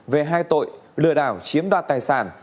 về hai tội lừa đảo chiếm đoạt tài sản